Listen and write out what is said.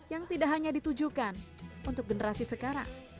yang tidak hanya ditujukan untuk generasi sekarang